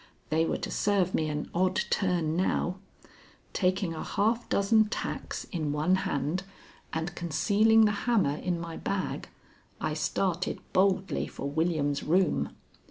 They were to serve me an odd turn now. Taking a half dozen tacks in one hand and concealing the hammer in my bag, I started boldly for William's room.